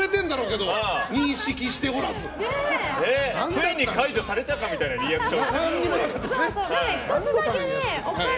ついに解除されたかみたいなリアクション。